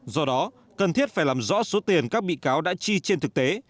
do đó cần thiết phải làm rõ số tiền các bị cáo đã chi trên thực tế